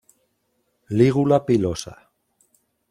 Lígula pilosa.